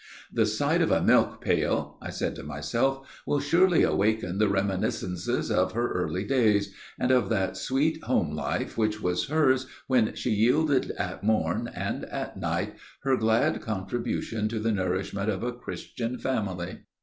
'The sight of a milk pail,' I said to myself, 'will surely awaken the reminiscences of her early days, and of that sweet home life which was hers when she yielded at morn and at night her glad contribution to the nourishment of a Christian family.'